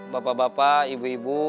bapak bapak ibu ibu